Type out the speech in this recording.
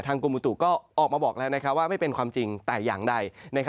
กรมอุตุก็ออกมาบอกแล้วว่าไม่เป็นความจริงแต่อย่างใด